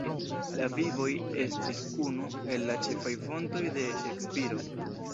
La "Vivoj" estis unu el la ĉefaj fontoj de Ŝekspiro.